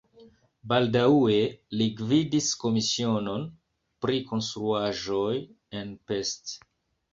Baldaŭe li gvidis komisionon pri konstruaĵoj en Pest.